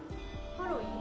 ハロウィン？